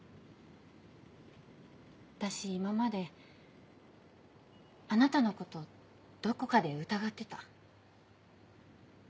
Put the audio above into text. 私今まであなたのことどこかで疑ってた。